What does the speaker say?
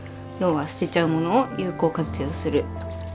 要は捨てちゃうものを有効活用する。